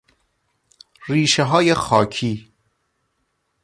ریشه های خاکی